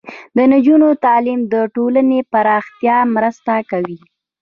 د نجونو تعلیم د ټولنې پراختیا مرسته کوي.